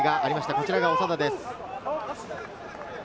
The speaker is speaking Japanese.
こちらが長田です。